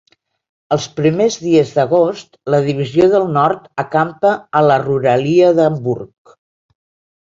Els primers dies d'agost la Divisió del Nord acampa a la ruralia d'Hamburg.